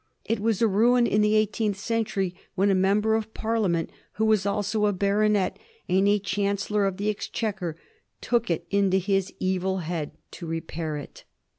It was a ruin in the eighteenth century when a member of Parliament, who was also a baronet and a Chancellor of the Exchequer, took it into his evil head to repair it.